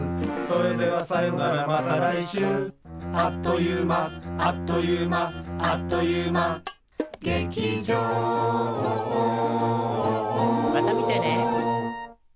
「それではさよならまたらいしゅう」「あっという間あっという間あっという間」「劇場」またみてね。